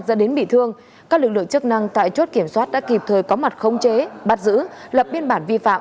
dẫn đến bị thương các lực lượng chức năng tại chốt kiểm soát đã kịp thời có mặt khống chế bắt giữ lập biên bản vi phạm